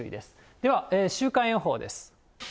では週間予報です。